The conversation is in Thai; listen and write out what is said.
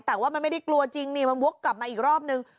แต่ว่ามันไม่ได้กลัวจริงนี่มันวกกลับมาอีกรอบนึง